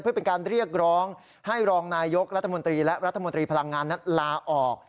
เพื่อเป็นการเรียกร้องให้รองนายยกรัฐมนตรีและรัฐมนตรีพลังงานนั้นลาออก